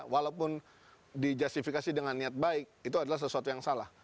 walaupun dijustifikasi dengan niat baik itu adalah sesuatu yang salah